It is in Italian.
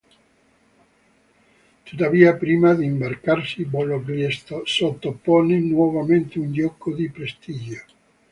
Tuttavia prima di imbarcarsi, Bolo gli sottopone nuovamente un gioco di prestigio.